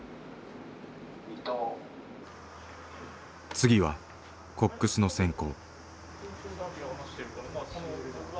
次はコックスの選考。